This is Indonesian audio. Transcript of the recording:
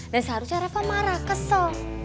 dan seharusnya reva marah kesel